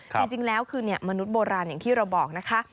จริงแล้วคือมนุษย์โบราณอย่างที่เราบอกนะคะ